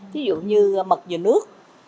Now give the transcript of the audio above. ví dụ như mật dừa nước